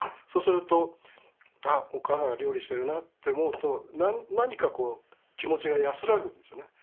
そうすると「あっお母さんが料理してるな」って思うと何か気持ちが安らぐんですよね。